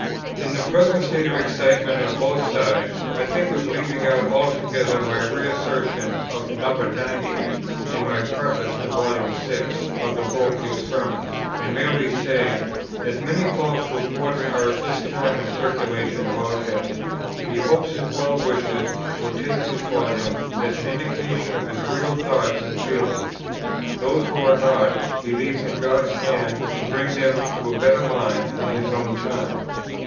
"In the present state of excitement on both sides, I think of leaving out altogether my reassertion of No. 90 in my Preface to Volume 6 [of Parochial Sermons], and merely saying, 'As many false reports are at this time in circulation about him, he hopes his well wishers will take this Volume as an indication of his real thoughts and feelings: those who are not, he leaves in God's hand to bring them to a better mind in His own time.'